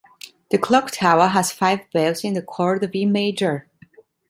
The clocktower has five bells in the chord of E major.